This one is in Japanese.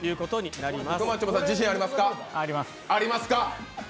あります。